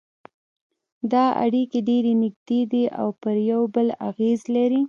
دا اړیکې ډېرې نږدې دي او پر یو بل اغېز لري